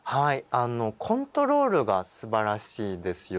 あのコントロールがすばらしいですよね。